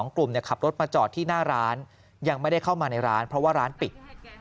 กลุ่มขับรถมาจอดที่หน้าร้านยังไม่ได้เข้ามาในร้านเพราะว่าร้านปิด